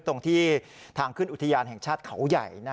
ตรงที่ทางขึ้นอุทยานแห่งชาติเขาใหญ่